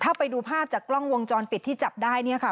ถ้าไปดูภาพจากกล้องวงจรปิดที่จับได้เนี่ยค่ะ